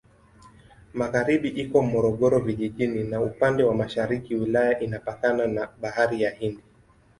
Magharibi iko Morogoro Vijijini na upande wa mashariki wilaya inapakana na Bahari ya Hindi.